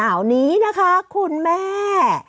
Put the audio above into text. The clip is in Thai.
ข่าวนี้นะคะคุณแม่